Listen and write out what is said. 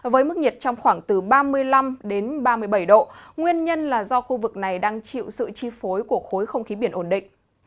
với mức nhiệt trong khoảng từ ba mươi năm ba mươi bảy độ nguyên nhân là do khu vực này đang chịu sự chi phối của khối không khí biển ổn định